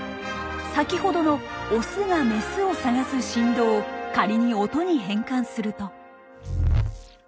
先ほどのオスがメスを探す振動を仮に音に変換すると。